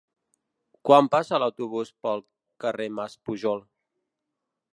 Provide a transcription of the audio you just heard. Quan passa l'autobús pel carrer Mas Pujol?